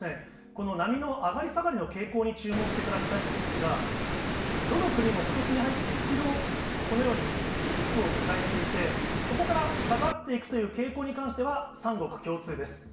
この波の上がり下がりの傾向に注目していただきたいんですが、どの国もことしに入って一度、このようにピークを迎えていて、そこから下がっていくという傾向に関しては、３国共通です。